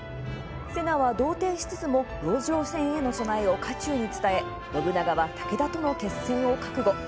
瀬名は動転しつつも籠城戦への備えを家中に伝え信長は武田との決戦を覚悟。